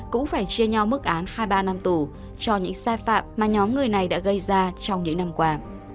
cũng phải chia nhau mức án hai mươi ba năm tù cho những sai phạm mà nhóm người này đã gây ra trong những năm qua